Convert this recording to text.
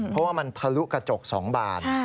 เพราะว่ามันทะลุกระจก๒บาน